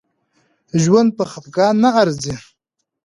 ژوند په خپګان نه ارزي